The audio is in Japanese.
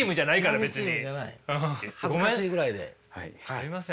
すいません。